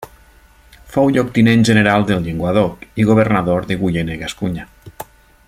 Fou lloctinent general del Llenguadoc i governador de Guiena i Gascunya.